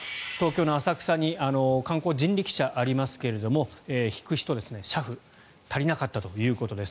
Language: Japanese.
観光地、東京の浅草に観光人力車がありますが引く人、車夫足りなかったということです。